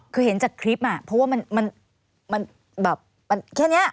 คือเห็นจากคลิปเพราะว่ามันแบบมันแค่นี้